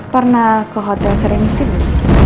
pernah ke hotel serenity belum